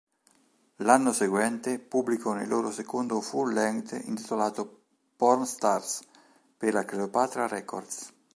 L'anno seguente pubblicano il loro secondo full-lenght intitolato "Porn Stars" per la Cleopatra Records.